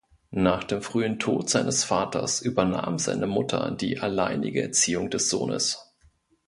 Nach dem frühen Tod seines Vaters übernahm seine Mutter die alleinige Erziehung des Sohnes.